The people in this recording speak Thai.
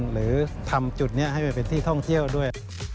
หรือทำจุดนี้ให้ไปเป็นที่ท่องเที่ยวด้วย